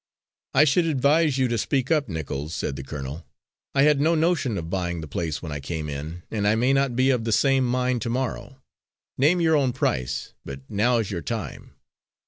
"I should advise you to speak up, Nichols," said the colonel. "I had no notion of buying the place when I came in, and I may not be of the same mind to morrow. Name your own price, but now's your time."